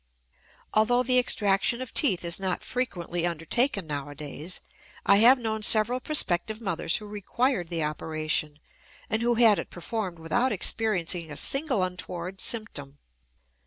Although the extraction of teeth is not frequently undertaken nowadays, I have known several prospective mothers who required the operation, and who had it performed without experiencing a single untoward symptom.